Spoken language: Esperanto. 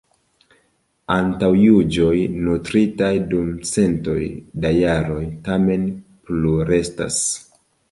Antaŭjuĝoj nutritaj dum centoj da jaroj tamen plurestas.